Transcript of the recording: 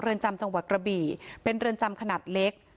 เรือนจำจังหวัดกระบี่เป็นเรือนจำขนาดเล็ก